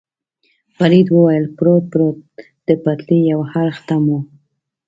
فرید وویل: پروت، پروت، د پټلۍ یو اړخ ته مو.